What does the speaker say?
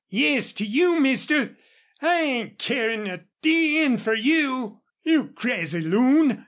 "Yes, to you, mister. I ain't carin' a d n fer you!" "You crazy loon!"